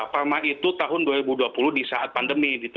perma itu tahun dua ribu dua puluh di saat pandemi